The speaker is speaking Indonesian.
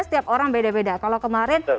setiap orang beda beda kalau kemarin